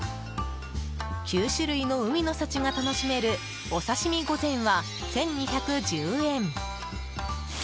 ９種類の海の幸が楽しめるお刺身御膳は、１２１０円。